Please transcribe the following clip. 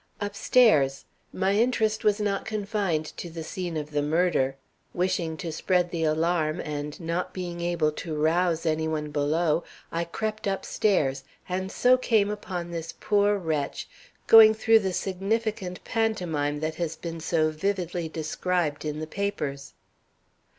"Upstairs. My interest was not confined to the scene of the murder. Wishing to spread the alarm, and not being able to rouse any one below, I crept upstairs, and so came upon this poor wretch going through the significant pantomime that has been so vividly described in the papers."